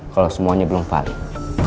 kalau semuanya belum paling